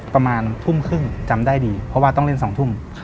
ประมาณทุ่มครึ่งจำได้ดีเพราะว่าต้องเล่น๒ทุ่ม